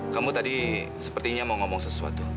kamu tadi sepertinya mau ngomong sesuatu